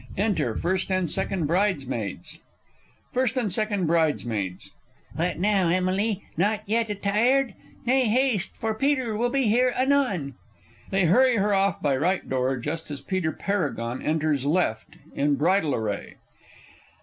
_ Enter First and Second Bridesmaids. First and Second Bridesmaids. What, how now, Emily not yet attired? Nay, haste, for Peter will be here anon! [They hurry her off by R. door, just as PETER PARAGON enters L. _in bridal array.